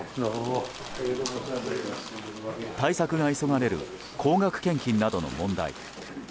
対策が急がれる高額献金などの問題。